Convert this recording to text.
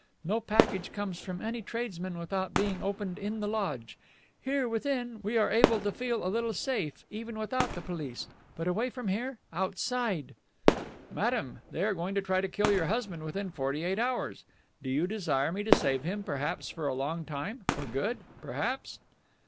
No package comes from any tradesman without being opened in the lodge. Here, within, we are able to feel a little safe, even without the police but away from here outside!" "Madame, they are going to try to kill your husband within forty eight hours. Do you desire me to save him perhaps for a long time for good, perhaps?"